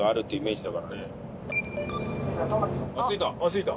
着いた。